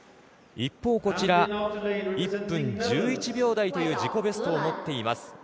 一方、１分１１秒台という自己ベストを持っています